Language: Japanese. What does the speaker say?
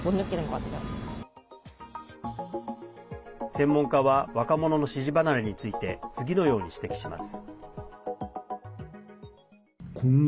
専門家は若者の支持離れについて次のように指摘します。